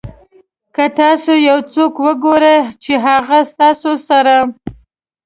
که تاسو یو څوک وګورئ چې هغه ستاسو سره.